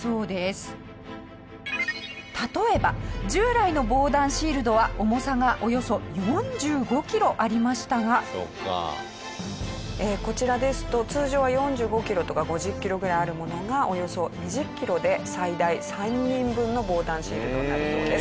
例えば従来の防弾シールドは重さがおよそ４５キロありましたがこちらですと通常は４５キロとか５０キロぐらいあるものがおよそ２０キロで最大３人分の防弾シールドになるそうです。